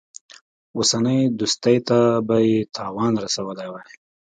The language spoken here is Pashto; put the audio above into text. اوسنۍ دوستۍ ته به یې تاوان رسولی وای.